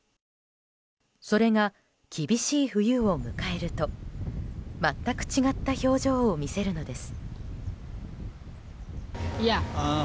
それが厳しい冬を迎えると全く違った表情を見せるのです。